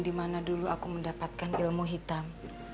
dimana dulu aku mendapatkan ilmu hitam